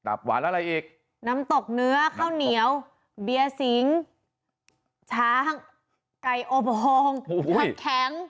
หวานอะไรอีกน้ำตกเนื้อข้าวเหนียวเบียร์สิงช้างไก่อบพองผักแข็ง